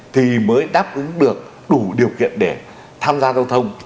thì mới đáp ứng được đủ điều kiện để tham gia giao thông